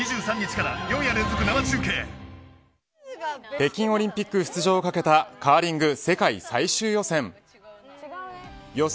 北京オリンピック出場を懸けたカーリング世界最終予選。